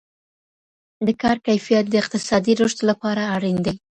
د کار کیفیت د اقتصادي رشد لپاره اړین دی.